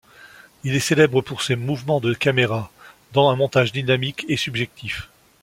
Il est célèbre pour ses mouvements de caméra, dans un montage dynamique et subjectif.